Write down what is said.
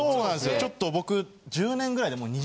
ちょっと僕。